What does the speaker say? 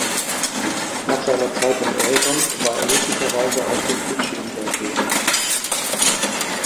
Nach seiner Zeit in Oregon war er möglicherweise auf den Fidschi-Inseln tätig.